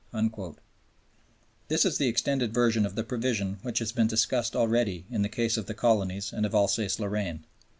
" This is the extended version of the provision which has been discussed already in the case of the colonies and of Alsace Lorraine.